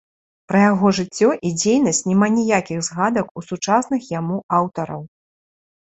Пра яго жыццё і дзейнасць няма ніякіх згадак у сучасных яму аўтараў.